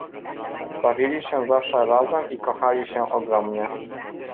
Bawili się zawsze razem i kochali się ogromnie.